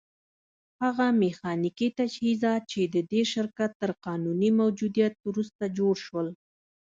هغه ميخانيکي تجهيزات چې د دې شرکت تر قانوني موجوديت وروسته جوړ شول.